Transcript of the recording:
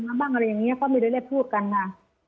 เค้าไม่ได้เรียกพูดกันนะ